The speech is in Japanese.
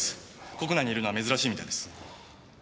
国内にいるのは珍しいみたいです。